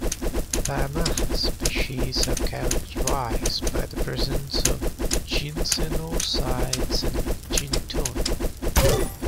"Panax" species are characterized by the presence of ginsenosides and gintonin.